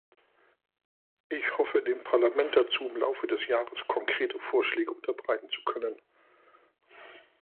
Ich hoffe, dem Parlament dazu im Laufe des Jahres konkrete Vorschläge unterbreiten zu können.